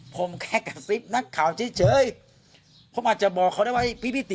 ผมแค่กระซิบนักข่าวเฉยเฉยผมอาจจะบอกเขาได้ว่าพี่พี่ติด